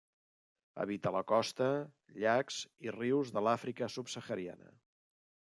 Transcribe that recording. Habita la costa, llacs i rius de l'Àfrica subsahariana.